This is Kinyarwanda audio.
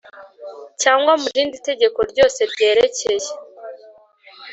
Cyangwa mu rindi tegeko ryose ryerekeye